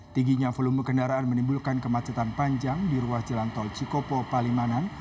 tingginya volume kendaraan menimbulkan kemacetan panjang di ruas jalan tol cikopo palimanan